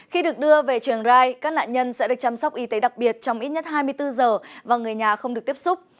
khi được đưa về trường rai các nạn nhân sẽ được chăm sóc y tế đặc biệt trong ít nhất hai mươi bốn giờ và người nhà không được tiếp xúc